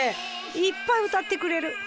いっぱい歌ってくれる。